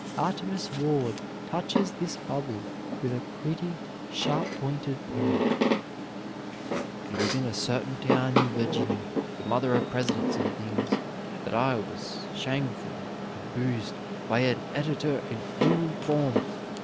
Artemus Ward touches this bubble with a pretty sharp pointed pen. "It was in a surtin town in Virginny, the Muther of Presidents and things, that I was shaimfully aboozed by a editer in human form.